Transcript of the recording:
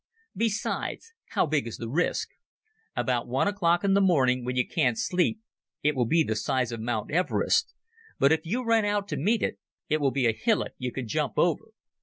Besides, how big is the risk? About one o'clock in the morning, when you can't sleep, it will be the size of Mount Everest, but if you run out to meet it, it will be a hillock you can jump over.